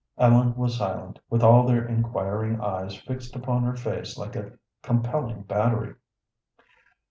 Ellen was silent, with all their inquiring eyes fixed upon her face like a compelling battery.